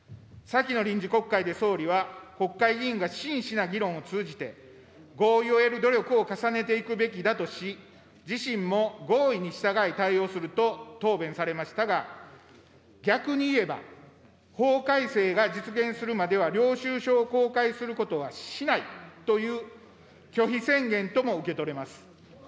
先の臨時国会で総理は、国会議員が真摯な議論を通じて、合意を得る努力を重ねていくべきだとし、自身も合意に従い、対応すると答弁されましたが、逆に言えば、法改正が実現するまでは領収書を公開することはしないという拒否宣言とも受け取れます。